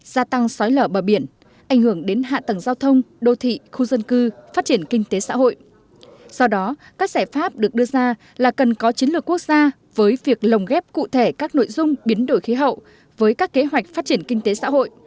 do đó các giải pháp được đưa ra là cần có chiến lược quốc gia với việc lồng ghép cụ thể các nội dung biến đổi khí hậu với các kế hoạch phát triển kinh tế xã hội